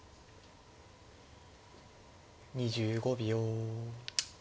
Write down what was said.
２５秒。